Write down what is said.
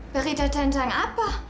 berita tentang apa